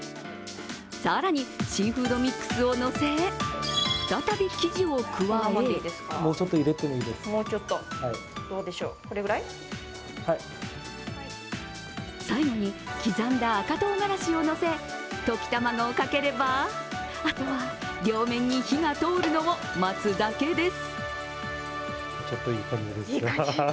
更にシーフードミックスをのせ、再び生地を加え最後に刻んだ赤とうがらしをのせ溶き卵をかければ、あとは両面に火がとおるのを待つだけです。